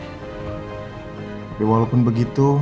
tapi walaupun begitu